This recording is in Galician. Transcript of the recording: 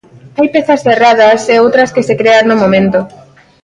Hai pezas cerradas, e outras que se crean no momento.